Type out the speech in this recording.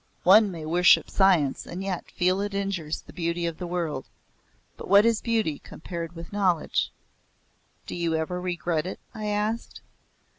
One may worship science and yet feel it injures the beauty of the world. But what is beauty compared with knowledge?" "Do you never regret it?" I asked.